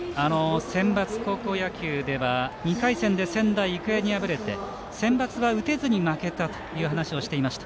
センバツ高校野球では２回戦で仙台育英に敗れてセンバツは打てずに負けたという話をしていました。